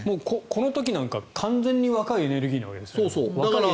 この時なんか完全に若いエネルギーですよね。